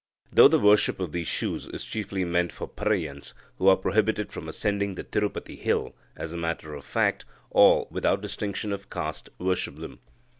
Though the worship of these shoes is chiefly meant for Paraiyans, who are prohibited from ascending the Tirupati hill, as a matter of fact all, without distinction of caste, worship them.